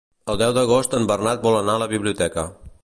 El deu d'agost en Bernat vol anar a la biblioteca.